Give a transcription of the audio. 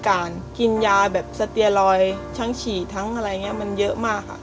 การกินยาแบบสเตียลอยทั้งฉี่ทั้งอะไรอย่างนี้มันเยอะมากค่ะ